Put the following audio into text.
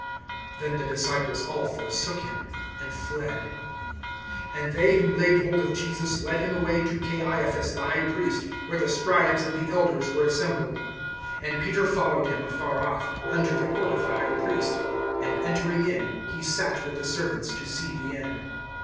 Then the disciples all forsook him, and fled. (57)And they who laid hold of Jesus led him away to Caiaphas the high priest, where the scribes and the elders were assembled. (58)And Peter followed him afar off, unto the court of the high priest; and entering in, he sat with the servants, to see the end.